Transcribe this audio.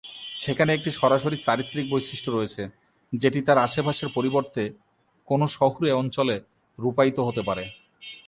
সেখানে একটি সরাসরি চারিত্রিক বৈশিষ্ট্য রয়েছে, যেটি তার আশপাশের পরিবর্তে কোনও শহুরে অঞ্চলে রূপায়িত হতে পারে।